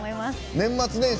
年末年始